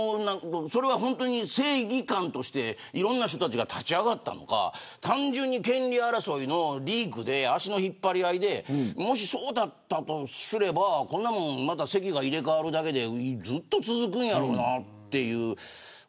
それは正義感としていろいろな人たちが立ち上がったのか単純に権利争いのリークで足の引っ張り合いでもし、そうだったとしたらまた席が入れ替わるだけでずっと続くんやろうなと。